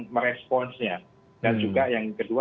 meresponsnya dan juga yang kedua